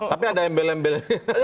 tapi ada embel embel